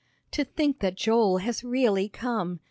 "To think that Joel has really come!"